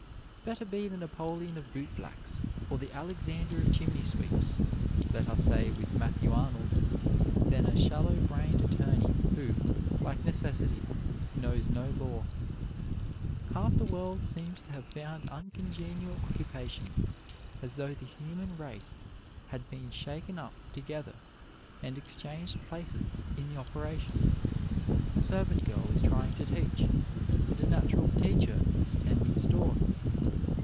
Better be the Napoleon of bootblacks, or the Alexander of chimney sweeps, let us say with Matthew Arnold, than a shallow brained attorney who, like necessity, knows no law. Half the world seems to have found uncongenial occupation, as though the human race had been shaken up together and exchanged places in the operation. A servant girl is trying to teach, and a natural teacher is tending store.